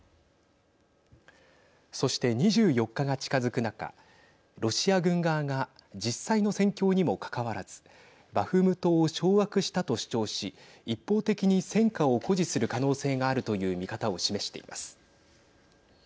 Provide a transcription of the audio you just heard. そして２４日が近づく中ロシア軍側が実際の戦況にもかかわらずバフムトを掌握したと主張し一方的に戦果を誇示する可能性があるという見方を示しています。